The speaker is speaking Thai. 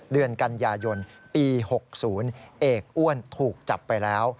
เดือนกันยายนปี๖๐เอกอ้วนถูกจับไปแล้ว